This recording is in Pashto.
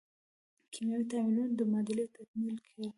د کیمیاوي تعاملونو معادلې تکمیلې کړئ.